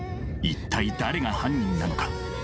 一体誰が犯人なのか。